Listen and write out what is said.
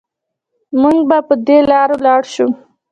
مونږ به په دې لارې لاړ شو